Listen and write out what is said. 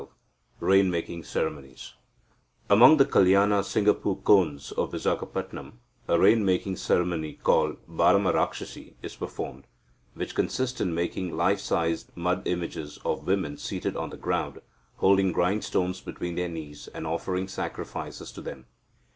XII RAIN MAKING CEREMONIES Among the Kalyana Singapu Kondhs of Vizagapatam, a rain making ceremony called barmarakshasi is performed, which consists in making life size mud images of women seated on the ground, holding grindstones between their knees, and offering sacrifices to them.